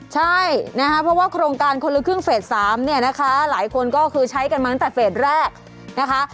ใช่นะคะเพราะว่าโครงการคนละครึ่งเฟส๓เนี่ยนะคะหลายคนก็คือใช้กันมาตั้งแต่เฟสแรกนะคะ